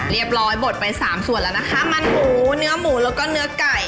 เรียบร้อยบดไปสามส่วนแล้วนะคะมันหมูเนื้อหมูแล้วก็เนื้อไก่